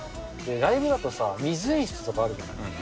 ライブだとさ、水演出とかあるじゃない。